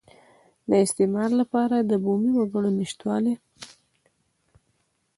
د استثمار لپاره د بومي وګړو نشتوالی.